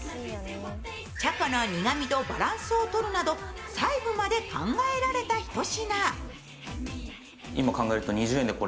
チョコの苦みとバランスをとるなど細部まで考えられたひと品。